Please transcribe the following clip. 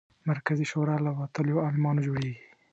مرکزي شورا له وتلیو عالمانو جوړېږي.